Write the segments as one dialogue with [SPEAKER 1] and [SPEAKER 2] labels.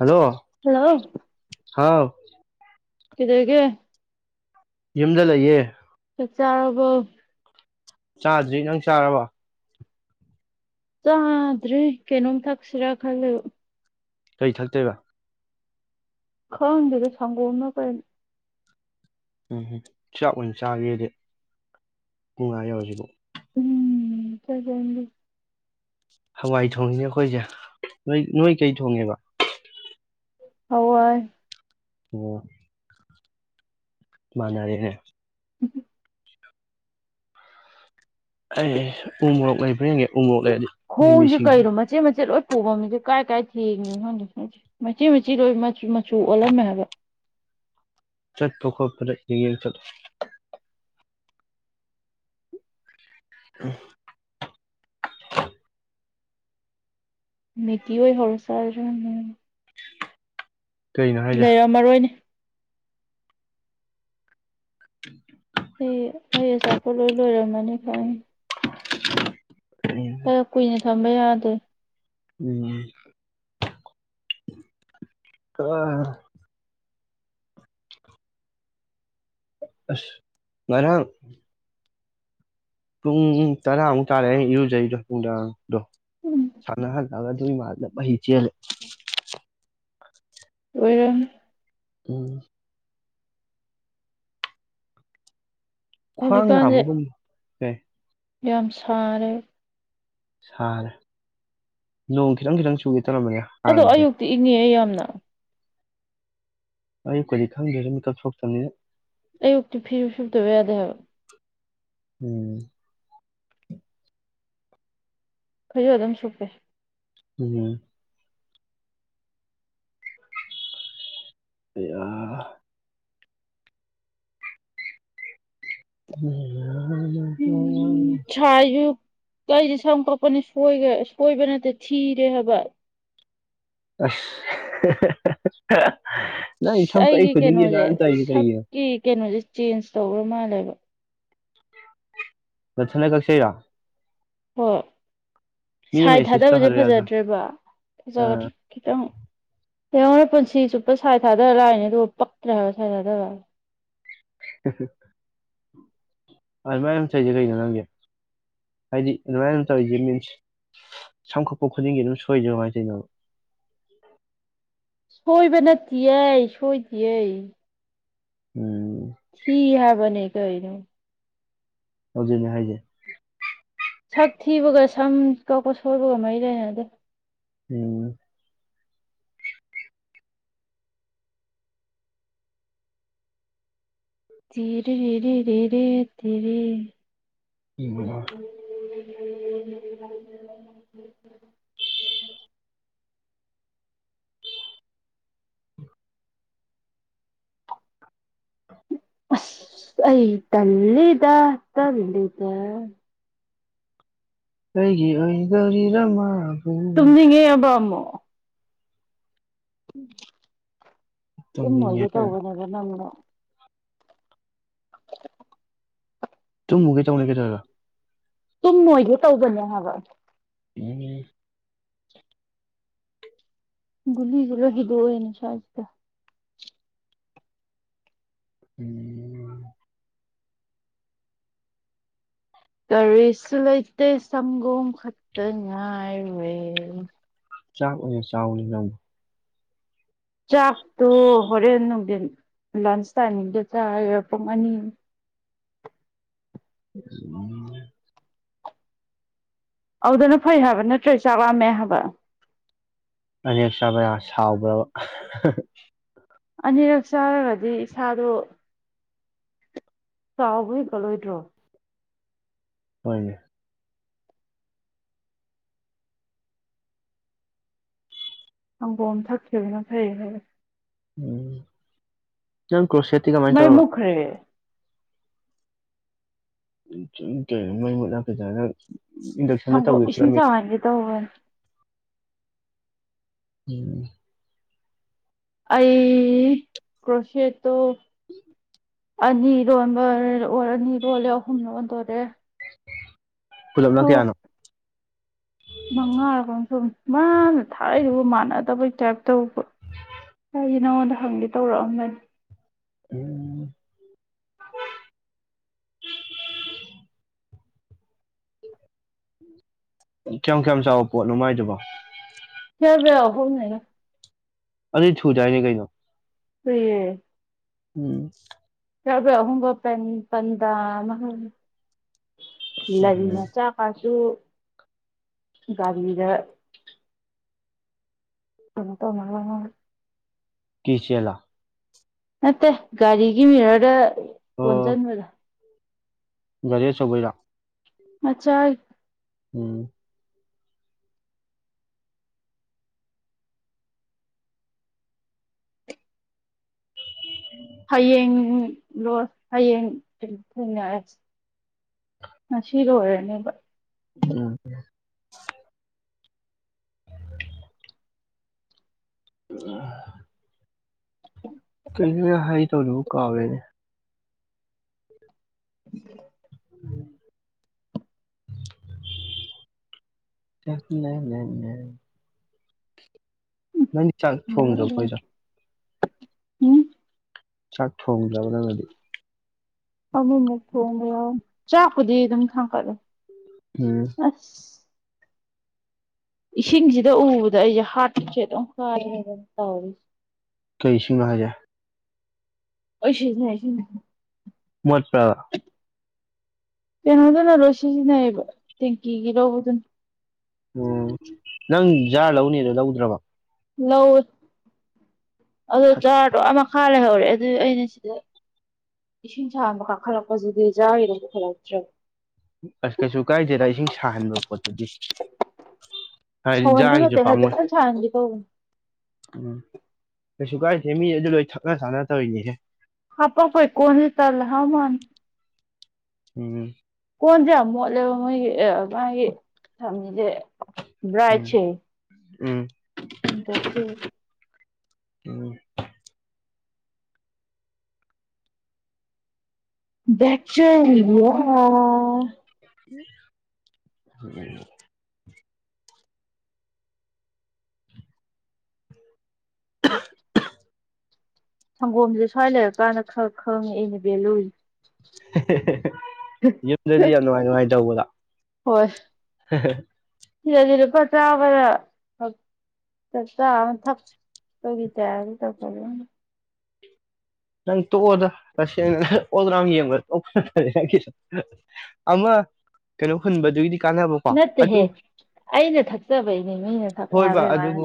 [SPEAKER 1] Hello
[SPEAKER 2] hello
[SPEAKER 1] ꯍꯥꯎ
[SPEAKER 2] ꯀꯗꯒ
[SPEAKER 1] ꯌꯨꯝꯗ ꯂꯩꯌꯦ
[SPEAKER 2] ꯍ ꯆꯔꯔꯕ
[SPEAKER 1] ꯆꯥꯗ꯭ꯔꯤ ꯅꯪ ꯆꯥꯔꯕ
[SPEAKER 2] ꯆꯥꯗ꯭ꯔꯔꯤ ꯀꯩꯅꯣꯝ ꯊꯛꯁꯤꯔꯥ ꯈꯜꯂꯦ
[SPEAKER 1] ꯀꯩ ꯊꯛꯇꯣꯏꯦꯕ
[SPEAKER 2] ꯈꯪꯗꯗ ꯁꯪꯒꯅ ꯀꯅꯤ
[SPEAKER 1] ꯎꯝꯝ ꯆꯥꯛ ꯑꯣꯏꯅ ꯆꯥꯒꯦꯗꯤ ꯄꯨꯡ ꯉꯥ ꯌꯧꯔꯁꯤꯕꯨ
[SPEAKER 2] ꯎꯝ ꯀ ꯀ
[SPEAKER 1] ꯍꯋꯥꯏ ꯊꯣꯡꯉꯅꯦ ꯑꯩꯈꯣꯏꯁꯦ ꯅꯣꯏ ꯅꯣꯏ ꯀꯩ ꯊꯣꯡꯉꯦꯕ
[SPEAKER 2] ꯍꯋꯥꯏ
[SPEAKER 1] ꯑꯣ ꯃꯥꯅꯔꯦꯅꯦ ꯑꯩ ꯎ ꯃꯣꯔꯣꯛ ꯂꯩꯕ꯭ꯔꯦꯟꯒꯦ ꯎ ꯃꯣꯔꯣꯛ ꯂꯩ ꯑꯗꯨ ꯃꯤꯃꯤꯁꯤꯡꯁꯨ
[SPEAKER 2] ꯄꯨꯐꯝꯝ ꯃꯤꯁꯦ ꯀꯥꯏ ꯀꯥꯏ ꯊꯦꯡꯉꯤꯣ ꯈꯪꯗꯦꯁꯦ ꯃꯆꯤ ꯃꯆꯤ ꯂꯣꯏꯆ ꯃꯆꯨ ꯑꯣꯜꯂꯝꯃꯦ ꯍꯥꯏꯕ [inaudible]
[SPEAKER 1] ꯆꯠ ꯄꯣꯈꯣꯞ ꯌꯦ ꯆꯂ ꯎꯝ
[SPEAKER 2] ꯃꯒꯤ ꯑꯣꯏ ꯍꯧꯔ ꯁꯥ
[SPEAKER 1] ꯀꯩꯅꯣ ꯍꯥꯏꯁꯦ
[SPEAKER 2] ꯂꯩꯔꯝ ꯃꯔꯣꯏꯅꯦ
[SPEAKER 1] ꯊꯦꯡꯨ
[SPEAKER 2] ꯑꯩ ꯑꯩ ꯑꯆꯥꯄꯣꯠ ꯂꯣꯏ ꯂꯣꯏꯔꯝꯃꯅꯤ ꯈꯪꯉ
[SPEAKER 1] [inaudible]
[SPEAKER 2] ꯍ ꯀꯨꯏꯅ ꯊꯝꯕ ꯌꯥꯗꯦ
[SPEAKER 1] ꯎꯝ ꯑ ꯑ ꯉꯅꯪ ꯄꯨꯡ ꯇꯔꯥꯃꯨꯛ ꯇꯥꯔꯦ ꯏꯔꯨꯖꯩꯗꯣ ꯄꯨꯡ ꯇꯔꯥꯗꯣ
[SPEAKER 2] ꯎꯝ
[SPEAKER 1] ꯁꯥꯟꯅꯍꯜꯂꯛꯑꯒ ꯑꯗꯨ ꯏ ꯃꯥꯂ ꯃꯍꯤ ꯆꯦꯜꯂꯦ
[SPEAKER 2] ꯑꯣꯏꯔ
[SPEAKER 1] ꯎꯝ ꯈ꯭ꯋꯥꯡ
[SPEAKER 2] ꯍꯧꯖꯤꯛꯀꯥꯟꯁꯦ
[SPEAKER 1] ꯅꯕꯒꯨꯝ ꯑꯦ
[SPEAKER 2] ꯌꯥꯝ ꯁꯥꯔꯦ
[SPEAKER 1] ꯁꯥꯔꯦ ꯂꯣꯡ ꯈꯤꯇꯪ ꯈꯤꯇꯪ ꯆꯨꯏ
[SPEAKER 2] ꯑꯗꯣ ꯑꯌꯨꯛꯇꯤ ꯏꯪꯉꯤ ꯌꯥꯝꯅ
[SPEAKER 1] ꯑꯌꯨꯛꯨꯗꯤ ꯈꯪꯗ꯭ꯔꯦꯁꯨ ꯃꯤꯀꯞ ꯊꯣꯛꯣꯛꯇꯅꯤꯅ
[SPEAKER 2] ꯑꯩ ꯎꯛꯇ ꯐꯤꯔ ꯎ ꯁꯕꯗ ꯦ ꯌꯥꯗꯦ
[SPEAKER 1] ꯎꯝ
[SPEAKER 2] ꯑꯩꯣꯏꯁꯨ ꯑꯗꯨꯝ ꯁꯨꯞꯄꯦ
[SPEAKER 1] ꯎꯝ ꯑꯦ ꯍ
[SPEAKER 2] ꯑꯩꯁꯦ ꯁꯝ ꯀꯛꯄꯅꯦꯣꯏ ꯁꯣꯏꯕ ꯅꯠꯇꯦ ꯊꯤꯔꯦ ꯍꯥꯏꯕ
[SPEAKER 1] ꯑ
[SPEAKER 2] ꯑꯩꯒꯤ ꯀꯩꯅꯣꯁꯦ
[SPEAKER 1] ꯇꯧꯔꯤꯁꯦ ꯀꯩꯒꯤꯅꯣ
[SPEAKER 2] ꯁꯛꯀꯤ ꯀꯩꯅꯣꯁꯦ ꯆꯦꯟꯖ ꯇꯧꯧꯕ꯭ꯔ ꯃꯥꯜꯂꯦꯕ
[SPEAKER 1] ꯂꯁꯅ ꯀꯁꯩꯔ
[SPEAKER 2] ꯍꯣꯏ ꯁꯥꯏ
[SPEAKER 1] ꯑꯦꯁꯤꯁ
[SPEAKER 2] ꯊꯥꯗꯕꯁꯦ
[SPEAKER 1] ꯇꯧꯍꯜꯂꯨ ꯌꯥꯗ꯭ꯔꯣ
[SPEAKER 2] ꯐꯖꯗ꯭ꯔꯦꯕ ꯐꯖ꯭ꯔ
[SPEAKER 1] ꯑꯥ
[SPEAKER 2] ꯈꯤꯇꯪ ꯍꯡꯉ ꯍꯣꯏ ꯄꯨꯟꯁꯤ ꯆꯨꯞꯄ ꯁꯥꯏꯠ ꯊꯥꯗꯔ ꯂꯥꯛꯑꯅꯦ ꯑꯗꯨꯒ ꯄꯛꯇ꯭ꯔꯦ ꯍꯥꯏꯔ ꯁꯥꯏꯠ ꯊꯥꯗꯔꯛꯑꯒꯦ
[SPEAKER 1] [inaudible] ꯑꯗꯨꯃꯥꯏꯅ ꯑꯃ ꯇꯧꯔꯤꯁꯦ ꯀꯩꯅꯣ ꯅꯪꯒꯤ ꯍꯥꯏꯗꯤ ꯑꯗꯨꯃꯥꯏꯅ ꯑꯃ ꯇꯧꯔꯤꯁꯦ ꯃꯤꯟꯁ ꯁꯝꯈꯠꯄ ꯈꯨꯗꯤꯡꯒꯤ ꯑꯗꯨꯝ ꯁꯣꯏꯗ꯭ꯔꯣꯃꯅ ꯇꯣꯏꯅꯣ
[SPEAKER 2] ꯁꯣꯏꯕ ꯅꯠꯇ ꯁꯣꯏꯗꯤꯩ
[SPEAKER 1] ꯎꯝ
[SPEAKER 2] ꯁꯤ ꯍꯥꯏꯕꯅꯤ ꯀꯅ
[SPEAKER 1] ꯍꯧꯖꯤꯅꯦ ꯍꯥꯏꯁꯦ
[SPEAKER 2] ꯁꯛ ꯊꯤꯕꯒ ꯁꯝ ꯀꯛꯄ ꯁꯣꯏꯕꯒ ꯃꯔꯤ ꯂꯩꯅꯗꯦ
[SPEAKER 1] ꯎꯝ
[SPEAKER 2] ꯇꯔꯤꯔꯦ ꯇꯔꯦ [inaudible] ꯑꯁ ꯑꯩ ꯇꯂ ꯏꯗ ꯇꯂꯗ
[SPEAKER 1] ꯀꯩꯒꯤ ꯑꯣꯏꯗꯧꯔꯤꯔꯃ
[SPEAKER 2] ꯇꯨꯝꯅꯤꯡꯉꯦ ꯑꯕꯃꯣ
[SPEAKER 1] ꯎꯝ
[SPEAKER 2] ꯇꯨꯝꯃꯒꯦ ꯇꯧꯕꯅꯦꯕ ꯅꯪꯅ [unintelligible]
[SPEAKER 1] ꯇꯨꯝꯃꯨ ꯀꯩ ꯇꯧꯅ ꯀꯩꯗꯧꯔꯒ
[SPEAKER 2] ꯇꯨꯝꯃꯣꯏꯒꯦ ꯇꯧꯕꯅꯦ ꯍꯥꯏꯕ
[SPEAKER 1] ꯎꯝ
[SPEAKER 2] ꯨꯂꯤꯒꯂꯣ ꯍꯗꯅꯦ ꯁꯥꯥꯁꯤꯗ
[SPEAKER 1] ꯎꯝ
[SPEAKER 2] ꯀꯔꯤꯁꯨ ꯂꯩꯇꯩ ꯁꯪꯒꯣꯝ ꯈꯛꯇ ꯉꯥꯏꯋꯦ
[SPEAKER 1] ꯆꯥꯎ ꯆꯅꯤ
[SPEAKER 2] ꯆꯥꯛꯇꯨ ꯍꯣꯔꯦꯟ ꯅꯨꯡꯊꯤꯟ ꯂꯥꯟꯁꯇꯅꯤꯒ ꯆꯄ ꯃꯅꯤ
[SPEAKER 1] ꯎ
[SPEAKER 2] ꯑꯗꯨꯗꯅ ꯐꯩ ꯍꯥꯏꯕ ꯅꯠꯇ꯭ꯔꯦ ꯆꯥꯛ ꯂꯝꯃꯦ ꯍꯥꯏꯕ
[SPEAKER 1] ꯑꯅꯦꯛ ꯆꯥꯕ ꯌꯥꯝ ꯁꯥꯎꯕ꯭ꯔꯕ
[SPEAKER 2] ꯑꯅꯤꯔꯛ ꯆꯥꯔꯒꯗꯤ ꯏꯁꯥꯗꯣ ꯆꯥꯎꯕ ꯀꯂꯣꯏꯗ꯭ꯔꯣ
[SPEAKER 1] ꯍꯣꯏꯅꯦ
[SPEAKER 2] ꯍꯪꯒꯣꯝ ꯊꯛꯈꯤꯕꯅ ꯐꯩꯌꯦ ꯍꯥꯏꯔꯦ
[SPEAKER 1] ꯎꯝ ꯅꯪ ꯀ꯭ꯔꯣꯁꯦꯠꯇꯤ ꯀꯃꯥꯏꯅ
[SPEAKER 2] ꯃꯩ
[SPEAKER 1] ꯇꯧꯔꯕ
[SPEAKER 2] ꯃꯨꯠꯈ꯭ꯔꯦ
[SPEAKER 1] ꯀ ꯃꯦ ꯏꯟꯗꯛꯁꯟꯗ
[SPEAKER 2] ꯁꯪꯒꯣꯝ
[SPEAKER 1] ꯇꯧꯋꯤ
[SPEAKER 2] ꯏꯁꯤꯡ
[SPEAKER 1] ꯄꯨꯂꯂꯝꯃꯤ
[SPEAKER 2] ꯁꯧꯍꯟꯒꯦ ꯇꯧꯕꯅꯤ
[SPEAKER 1] ꯎꯝ
[SPEAKER 2] ꯑꯩ ꯀ꯭ꯔꯣꯁꯦꯠꯇꯣ
[SPEAKER 1] ꯎꯝ
[SPEAKER 2] ꯑꯅꯤ ꯂꯣꯟꯕ ꯑꯣ ꯑꯅꯤ ꯂꯣꯜꯂꯦ ꯑꯍꯨꯝ ꯂꯣꯟꯗꯣꯔꯦ
[SPEAKER 1] ꯀꯨꯂꯞ ꯅ ꯀꯌꯥꯅꯣ
[SPEAKER 2] ꯃꯉꯥꯔꯒ ꯁꯨꯝ ꯃꯥꯅ ꯊꯥꯔꯛꯏꯗꯨꯕꯨ ꯃꯥꯟꯅꯗꯕꯩ ꯇꯥꯏꯞ ꯇꯧꯕ ꯑꯩꯒꯤ ꯅꯉꯣꯟꯗ ꯍꯪꯗꯦ ꯇꯧꯔꯛꯑꯃꯅꯤ
[SPEAKER 1] ꯎꯝ ꯀꯌꯥꯝ ꯀꯌꯥꯝ ꯆꯥꯎꯕ ꯄꯣꯠꯅꯣꯃꯥꯏꯗꯨꯕꯣ
[SPEAKER 2] ꯐꯔꯕꯍꯅꯦ
[SPEAKER 1] ꯑꯗꯨ ꯊꯨ ꯆꯥꯏꯅꯤ ꯀꯩꯅꯣ
[SPEAKER 2] ꯍ
[SPEAKER 1] ꯎꯝ
[SPEAKER 2] ꯌꯥꯍꯕ ꯄꯦꯟꯄꯟꯗ ꯏ
[SPEAKER 1] ꯎꯝ
[SPEAKER 2] ꯆꯥ ꯀꯥꯁꯨ ꯥꯟꯙꯤꯗ ꯑꯇ ꯃꯅꯒ
[SPEAKER 1] ꯀꯆꯦꯂ
[SPEAKER 2] ꯅꯠꯇꯦ ꯒꯥꯔꯤꯒꯤ ꯃꯤꯔꯔꯗ ꯀꯣꯟꯁꯤꯟꯕꯗ
[SPEAKER 1] ꯔꯤꯦ ꯁꯕꯣꯏꯔ
[SPEAKER 2] ꯑꯆꯥ
[SPEAKER 1] ꯎꯝ
[SPEAKER 2] ꯂꯣ ꯍꯌꯦꯡ ꯊꯦꯡꯅꯔꯁꯤ ꯉꯁꯤ ꯑꯣꯏꯔꯅꯦ
[SPEAKER 1] ꯎꯝ ꯎ ꯀ ꯍꯥꯏ ꯇ ꯂꯨ ꯀꯋ
[SPEAKER 2] ꯎꯝ [unintelligible]
[SPEAKER 1] ꯂꯩ ꯅꯪꯒꯤ ꯆꯥꯛ ꯊꯣꯡꯗ꯭ꯔꯣ ꯑꯩꯣꯏꯗ
[SPEAKER 2] ꯎꯝ
[SPEAKER 1] ꯆꯥꯛ ꯊꯣꯡ꯭ꯔꯕ ꯅꯅꯗꯤ
[SPEAKER 2] ꯑꯃꯃꯨꯛ ꯊꯣꯡꯕ ꯆꯥꯛꯄꯨꯗꯤ ꯑꯗꯨꯝ ꯊꯥꯡꯀꯠꯂꯦ
[SPEAKER 1] ꯎꯝ
[SPEAKER 2] ꯑ ꯏꯁꯤꯡꯁꯤꯗ ꯎꯕꯗ ꯑꯩꯁꯦ ꯍꯥꯔꯠꯆꯦꯠ ꯀꯥꯔ ꯇꯧꯔꯤ
[SPEAKER 1] ꯀꯔꯤꯁꯤꯡꯅꯣ ꯍꯥꯏꯖꯦ
[SPEAKER 2] ꯑꯣꯏ ꯁꯤꯦ ꯅ
[SPEAKER 1] ꯃꯁ ꯄꯕ
[SPEAKER 2] ꯀꯩꯅꯣꯗꯅꯔꯣ ꯁꯤꯖꯤꯟꯅꯩꯌꯦꯕ ꯇꯦꯡꯀꯤꯒꯤ ꯔꯣꯧꯕꯗꯨꯅ
[SPEAKER 1] ꯎꯝ ꯅꯪ ꯖꯥꯔ ꯂꯧꯅꯦꯗꯣ ꯂꯧꯗ꯭ꯔꯕ
[SPEAKER 2] ꯂꯧꯎ ꯑ ꯆꯥꯔꯗꯣ ꯃꯈꯥ ꯂꯩꯍꯧꯔꯦ ꯑꯗꯨ ꯑꯩꯅ ꯁꯤꯗ ꯏꯁꯤꯡ ꯁꯕ ꯀꯥꯈꯠꯂꯛꯄꯁꯤꯗꯤ ꯖꯥ ꯍꯗ ꯄꯨꯈꯠꯂꯛꯇ꯭ꯔꯦ
[SPEAKER 1] ꯑꯁ ꯀꯩꯁꯨ ꯀꯥꯏꯗꯦꯗ ꯏꯁꯤꯡ ꯁꯥꯍꯟꯕ ꯄꯣꯠꯇꯨꯗꯤ ꯍꯥꯏꯗꯤ ꯖꯥꯔꯒꯤꯁꯨ
[SPEAKER 2] ꯁꯣꯁꯨꯇ
[SPEAKER 1] ꯄꯥꯝꯃꯣꯏ
[SPEAKER 2] ꯍꯥꯏ ꯁꯥꯡ ꯇ
[SPEAKER 1] ꯎꯝ ꯀꯩꯁꯨ ꯀꯥꯏꯁꯦ ꯃꯤ ꯑꯗꯨ ꯂꯣꯏ ꯊꯛꯅ ꯆꯥꯅ ꯇꯧꯔꯤꯅꯦꯁꯦ
[SPEAKER 2] ꯍꯥꯄ ꯍꯣꯏ ꯀꯣꯅꯤ ꯆꯜ ꯍꯥ ꯃꯥꯅꯤ
[SPEAKER 1] ꯎꯝ
[SPEAKER 2] ꯐꯣꯟꯁꯦ ꯌꯥꯝ ꯃꯣꯠꯂꯦꯕ ꯃꯣꯏꯒꯤ ꯃꯥꯒꯤ ꯊꯝꯃꯤꯁꯦ
[SPEAKER 1] ꯎꯝ
[SPEAKER 2] ꯭ꯔꯥꯏꯁꯦ
[SPEAKER 1] ꯎꯝ
[SPEAKER 2] ꯁꯤ ꯇ
[SPEAKER 1] ꯎ
[SPEAKER 2] ꯗꯆ
[SPEAKER 1] ꯍ [unintelligible]
[SPEAKER 2] ꯁꯪꯒꯣꯝꯁꯦ ꯁ꯭ꯋꯥꯏ ꯂꯩꯔꯀꯥꯟꯗ ꯈꯔ ꯈꯪꯉꯦ ꯑꯩꯅ ꯚꯦꯂꯨꯏ
[SPEAKER 1] ꯌꯨꯝꯗꯗꯤ ꯌꯥꯝ ꯅꯨꯡꯉꯥꯏ ꯅꯨꯡꯉꯥꯏ ꯇꯧꯕꯗ
[SPEAKER 2] ꯍꯣꯏ ꯊꯤꯔ ꯊꯔ ꯄ ꯆꯥꯕ ꯊ ꯊꯛ ꯇꯒꯤ ꯇꯔ ꯇ
[SPEAKER 1] ꯅꯪ ꯇꯣꯛꯑꯣꯗ ꯇꯁꯦꯡꯅ ꯑꯣꯜ ꯔꯥꯎ ꯌꯦꯡꯕꯗ ꯇꯄ ꯑꯃ ꯀꯩꯅꯣ ꯍꯟꯕꯗꯨꯗꯤ
[SPEAKER 2] ꯅꯠꯇꯦꯍꯦ ꯑꯩꯅ ꯊꯛꯆꯕꯩꯅꯦ ꯃꯤꯅ ꯊꯛꯄꯦ
[SPEAKER 1] ꯍꯣꯏꯕ
[SPEAKER 2] ꯍꯥꯏꯕꯩ ꯋꯥꯅ
[SPEAKER 1] ꯑꯗꯨꯕꯨ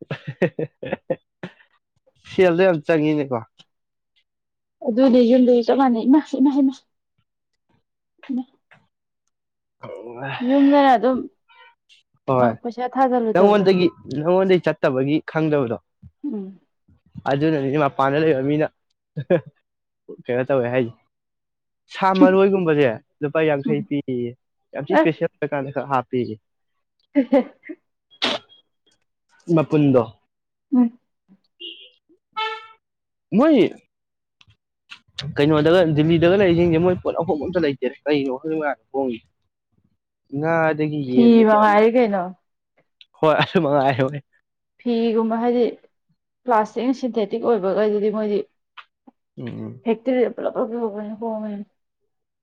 [SPEAKER 1] [unintelligible] ꯁꯦꯜꯗꯣ ꯌꯥꯝ ꯆꯪꯉꯤꯅꯦꯀꯣ
[SPEAKER 2] ꯑꯗꯨꯗꯤ ꯌꯨꯝꯗꯨꯁꯨ ꯆꯞ ꯃꯥꯟꯅꯩ ꯏꯃꯥ ꯏꯃꯥ ꯏꯃꯥ ꯎꯝ ꯑꯗꯨꯝ
[SPEAKER 1] ꯍꯣꯏ
[SPEAKER 2] ꯄꯩꯁꯥ ꯊꯥꯖꯜꯂꯨꯗꯕꯗꯣ
[SPEAKER 1] ꯅꯪꯉꯣꯟꯗꯒꯤ ꯅꯪꯉꯣꯟꯗꯒꯤ ꯆꯠꯇꯕꯒꯤ ꯈꯪꯗꯕꯗꯣ
[SPEAKER 2] ꯎꯝ
[SPEAKER 1] ꯑꯗꯨꯅꯅꯤꯅꯦ ꯃꯄꯥꯟꯗ ꯂꯩꯕ ꯃꯤꯅ ꯀꯩꯅꯣ ꯇꯧꯋꯦ ꯍꯥꯏꯁ ꯁꯥ ꯃꯔꯣꯏꯒꯨꯝꯕꯁꯦ ꯂꯨꯄꯥ
[SPEAKER 2] ꯎꯝ
[SPEAKER 1] ꯌꯥꯡꯈꯩ ꯄꯤꯌꯦ ꯌꯥꯝ ꯏꯁꯄꯦꯁꯦꯜ ꯑꯣꯏꯔꯀꯥꯟꯗ ꯍꯥꯄꯤꯤꯒ
[SPEAKER 2] [unintelligible]
[SPEAKER 1] ꯃ ꯄꯨꯨꯟꯗ
[SPEAKER 2] ꯎꯝ
[SPEAKER 1] ꯎ ꯃꯣꯏ
[SPEAKER 2] [unintelligible]
[SPEAKER 1] ꯀꯩꯅꯣꯗꯒ ꯗꯤꯜꯂꯤꯗꯒ ꯂꯩꯔꯤꯁꯤꯡꯁꯦ ꯃꯣꯏ ꯄꯣꯠ ꯑꯐꯥꯎꯕ ꯑꯝꯇ ꯂꯩꯇꯦꯔ ꯀꯔꯤꯅꯣ ꯈꯪꯗꯣꯡꯦ ꯉꯥ
[SPEAKER 2] ꯐꯤ ꯃꯉꯥꯏꯔꯤꯦ ꯀꯩꯅꯣ
[SPEAKER 1] ꯍꯣꯏ ꯑꯗꯨ ꯃꯉꯥꯏ ꯍꯣꯏ
[SPEAKER 2] ꯐꯤꯒꯨꯝꯕ ꯍꯥꯏꯗꯤ ꯄ꯭ꯂꯥꯁꯇꯤꯛ ꯑꯦ ꯁꯤꯟꯊꯦꯇꯤꯛ ꯑꯣꯏꯕꯈꯩꯗꯗꯤ ꯃꯣꯏꯗꯤ
[SPEAKER 1] ꯎꯝ ꯎꯝ
[SPEAKER 2] ꯐꯦꯛꯇꯔꯤꯗ ꯄꯨꯂꯞ ꯄꯨꯂꯞ ꯂꯧꯕꯅꯦ ꯍꯣꯡꯉꯦꯅ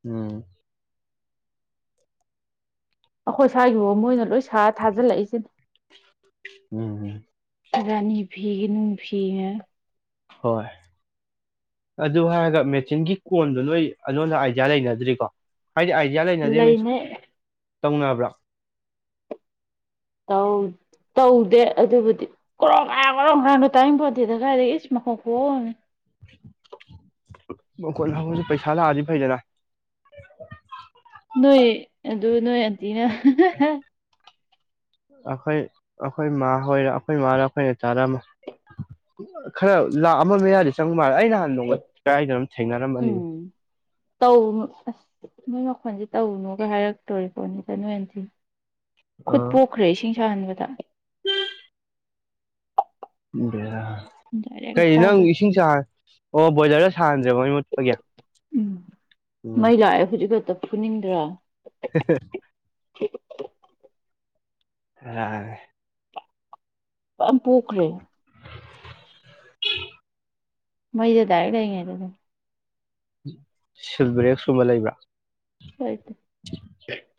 [SPEAKER 1] ꯎꯝ
[SPEAKER 2] ꯑꯈꯣꯏ ꯏꯁ꯭ꯋꯥꯏꯒꯤ ꯐꯥꯎ ꯃꯣꯏꯅ ꯂꯣꯏ ꯁꯥꯔ ꯊꯥꯖꯤꯜ ꯂꯛꯏꯁꯤꯅꯤ
[SPEAKER 1] ꯎꯝ ꯎꯝ
[SPEAKER 2] ꯔꯥꯅꯤ ꯐꯤꯒꯏ ꯅꯨꯡ ꯐꯤꯉ
[SPEAKER 1] ꯍꯣꯏ ꯑꯗꯨ ꯍꯥꯏꯔꯒ ꯃꯦꯆꯤꯟꯒꯤ ꯀꯣꯟꯗꯨꯣ ꯅꯣꯏ ꯑꯩꯉꯣꯟꯗ ꯑꯥꯏꯗꯤꯌꯥ ꯂꯩꯅꯗ꯭ꯔꯤꯀꯣ ꯍꯥꯏꯗꯤ ꯑꯥꯏꯗꯤꯌꯥ ꯂꯩꯅꯗꯦ ꯃꯤꯟꯁ
[SPEAKER 2] ꯂꯩꯅꯩ
[SPEAKER 1] ꯇꯧꯅꯕ꯭ꯔꯥ
[SPEAKER 2] ꯑꯧ ꯇꯧꯗꯦ ꯑꯗꯨꯕꯨꯗꯤ ꯀ꯭ꯔꯣ ꯀ ꯀꯣ ꯀꯅꯣ ꯇꯥꯏꯅꯤꯡ ꯄꯣꯗꯦꯗ ꯀꯥꯏꯗꯒꯤ ꯏꯁ ꯃꯈꯣꯛ ꯈꯨꯍꯦ [inaudible]
[SPEAKER 1] ꯃꯈꯣꯜ ꯍꯧ ꯄꯩꯁꯥ ꯂꯥꯛꯑꯗꯤ ꯐꯩꯗꯅ
[SPEAKER 2] ꯅꯣꯏ ꯑꯗꯨ ꯅꯣꯏ ꯑꯟꯇꯤꯅ
[SPEAKER 1] ꯑꯩꯈꯣꯏ ꯑꯩꯈꯣꯏ ꯏꯃ ꯍꯣꯏꯔ ꯑꯩꯈꯣꯏ ꯃꯥꯥꯔ ꯑꯩꯈꯣꯏꯅ ꯆꯥꯔꯝꯃ ꯈꯔ ꯂꯥꯛ ꯑꯃ ꯃꯌꯥꯗ ꯆꯪꯕ ꯃꯥꯜꯂꯦ ꯑꯩ ꯅꯍꯥꯟ ꯅꯣꯡꯃ ꯀꯔꯥꯏꯗꯅꯣꯝ ꯊꯦꯡꯅꯔꯝꯕꯅꯤꯅꯦ
[SPEAKER 2] ꯎꯝ ꯇꯧꯅꯨ ꯑꯁ ꯅꯣꯏ ꯃꯈꯣꯟꯁꯦ ꯇꯧꯅꯨꯒ ꯍꯥꯏꯔꯛꯇꯣꯔꯤꯀꯣꯅꯤꯗ ꯅꯣꯏꯟꯗꯤ ꯈꯨꯠ
[SPEAKER 1] ꯑꯥ
[SPEAKER 2] ꯄꯣꯛꯈ꯭ꯔꯦ ꯏꯁꯤꯡ ꯁꯥꯍꯟꯕꯗ ꯗꯥꯏꯔꯦꯛ
[SPEAKER 1] ꯀꯩ ꯅꯪ
[SPEAKER 2] ꯑꯁꯥꯕꯗ
[SPEAKER 1] ꯏꯁꯤꯡ ꯑꯣ ꯕꯣꯏꯂꯔꯗ ꯁꯥꯍꯟꯗ꯭ꯔꯦꯕ ꯃꯣꯠꯄ ꯀꯌꯥ
[SPEAKER 2] ꯎꯝ ꯃꯩ ꯂꯥꯛꯑꯦ ꯍꯧꯖꯤꯛ ꯈꯛꯇ ꯐꯨꯅꯤꯡꯗ꯭ꯔꯥ ꯊ
[SPEAKER 1] ꯔꯥ
[SPEAKER 2] ꯌꯥꯝ ꯄꯣꯛꯈ꯭ꯔꯦ ꯃꯩꯗ ꯗꯥꯏꯔꯦꯛ ꯂꯩꯔꯤꯉꯩꯗꯅꯦ
[SPEAKER 1] ꯁꯤꯜꯕ꯭ꯔꯦꯛ ꯁ ꯀꯨꯝꯕ ꯂꯩꯕ꯭ꯔꯥ
[SPEAKER 2] ꯁꯣꯏꯗꯦ꯫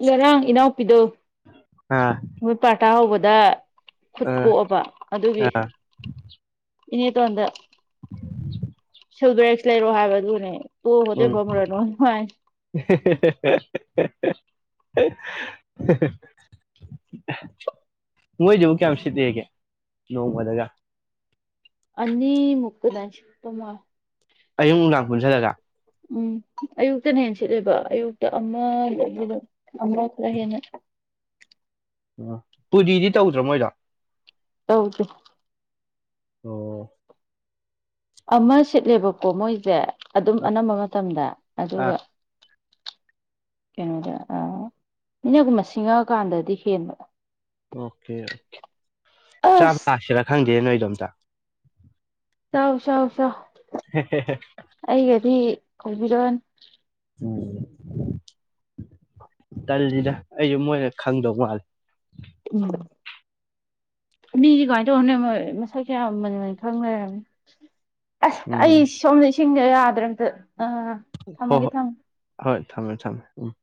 [SPEAKER 2] ꯉꯔꯥꯡ ꯏꯅꯥꯎꯄꯤꯗꯣ
[SPEAKER 1] ꯑꯥ
[SPEAKER 2] ꯃꯣꯏ ꯄꯥꯔꯇꯥ ꯍꯧꯕꯗ ꯈꯨꯠ
[SPEAKER 1] ꯑꯥ
[SPEAKER 2] ꯄꯣꯛꯑꯕ ꯑꯗꯨꯒꯤ
[SPEAKER 1] ꯑꯥ
[SPEAKER 2] ꯏꯅꯦꯇꯣꯟꯗ ꯁꯗ꯭ꯔꯦꯛꯁ ꯂꯩꯔꯣ ꯍꯥꯏꯕꯗꯨꯅꯦ
[SPEAKER 1] ꯎꯝ ꯃꯣꯏꯗꯨꯕꯨ ꯀꯌꯥꯝ ꯁꯤꯠꯂꯦꯒꯦ ꯅꯣꯡꯃꯗꯒ
[SPEAKER 2] ꯑꯅꯤ ꯃꯨꯛꯇꯅꯦ ꯄꯨꯟꯅ
[SPEAKER 1] ꯑꯌꯨꯛ ꯅꯨꯡꯗꯥꯡ ꯄꯨꯟꯁꯤꯜꯂꯒ
[SPEAKER 2] ꯎꯝ ꯑꯌꯨꯛꯇꯅ ꯍꯦꯟꯅ ꯁꯤꯠꯂꯦꯕ ꯑꯌꯨꯛꯇ ꯑꯃ [unintelligible] ꯑꯔꯁꯨ ꯔꯦꯅ
[SPEAKER 1] ꯎꯝ ꯄꯨꯔꯤꯗꯤ ꯇꯧꯗ꯭ꯔꯥ ꯃꯣꯏꯗ
[SPEAKER 2] ꯍꯧꯗ
[SPEAKER 1] ꯑꯣꯝ
[SPEAKER 2] ꯑꯃ ꯁꯤꯠꯂꯦꯕꯀꯣ ꯃꯣꯏꯁꯦ ꯑꯗꯨꯝ ꯑꯅꯝꯕ ꯃꯇꯝꯗ
[SPEAKER 1] ꯑꯥ
[SPEAKER 2] ꯑꯗꯨꯒ ꯀꯩꯅꯣꯗ ꯑ ꯏꯅꯦꯒꯨꯝꯕ ꯁꯤꯡꯉꯛꯀꯥꯟꯗꯗꯤ ꯍꯦꯟꯕ
[SPEAKER 1] ꯑꯣꯀꯦ
[SPEAKER 2] ꯑꯁ
[SPEAKER 1] ꯝꯗ
[SPEAKER 2] ꯆꯥꯎ ꯆꯥꯎ ꯆꯥꯎ ꯑꯩꯒꯗꯤ ꯍꯧꯕꯤꯔꯛꯑꯣꯅ
[SPEAKER 1] ꯎꯝ ꯇꯟꯁꯤꯗ ꯑꯩꯁꯨ ꯃꯣꯏꯅ ꯈꯪꯗꯧ ꯃꯥꯜꯂꯦ
[SPEAKER 2] ꯎꯝ ꯃꯤꯗꯤ ꯀꯃꯥꯏ ꯇꯧꯕꯅꯣ ꯈꯪꯗꯦ ꯃꯣꯏ ꯃꯁꯛꯁꯦ ꯌꯥꯝ ꯃꯨꯟꯅ ꯈꯪꯂꯩꯔꯝꯃꯦ ꯑꯁ
[SPEAKER 1] ꯎꯝ
[SPEAKER 2] ꯑꯩ ꯁꯣꯝꯗ ꯏꯁꯤꯡꯗ ꯌꯥꯗ꯭ꯔꯦ ꯑꯝꯇ ꯑꯥ
[SPEAKER 1] ꯍꯣꯏ
[SPEAKER 2] ꯊꯝꯃꯒꯦ
[SPEAKER 1] ꯍꯣꯏ
[SPEAKER 2] ꯊꯝꯃ
[SPEAKER 1] ꯍꯣꯏ ꯊꯝꯃꯦ ꯊꯝꯃꯦ ꯎꯝ